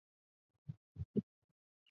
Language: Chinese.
通称伊又卫门或猪右卫门。